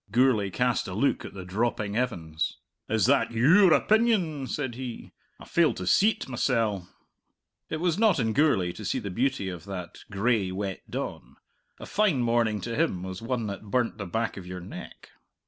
Gourlay cast a look at the dropping heavens. "Is that your opinion?" said he. "I fail to see't mysell." It was not in Gourlay to see the beauty of that gray, wet dawn. A fine morning to him was one that burnt the back of your neck.